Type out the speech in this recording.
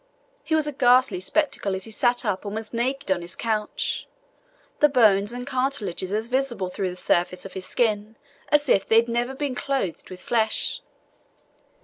He was a ghastly spectacle as he sat up almost naked on his couch, the bones and cartilages as visible through the surface of his skin as if they had never been clothed with flesh.